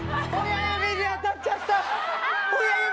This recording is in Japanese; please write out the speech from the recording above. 親指に当たっちゃった！